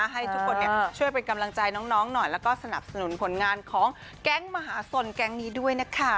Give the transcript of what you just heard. ให้ทุกคนช่วยเป็นกำลังใจน้องหน่อยแล้วก็สนับสนุนผลงานของแก๊งมหาสนแก๊งนี้ด้วยนะคะ